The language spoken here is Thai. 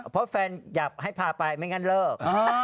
เพราะแฟนอยากให้พาไปไม่งั้นเลิก